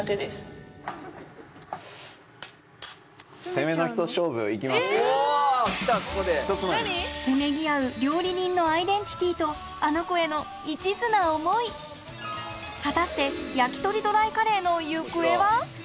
せめぎ合う料理人のアイデンティティーとアノ娘へのいちずな思い果たして焼き鳥ドライカレーの行方は？